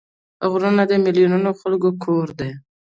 غرونه د میلیونونو خلکو کور دی